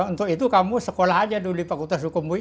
untuk itu kamu sekolah saja dulu fakultas hukum ui